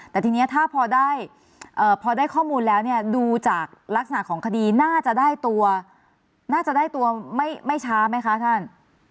แต่ทีนี้ถ้าพอได้ข้อมูลแล้วเนี่ยดูจากลักษณะของคดีน่าจะได้ตัวน่าจะได้ตัวไม่ช้าไหมคะท่าน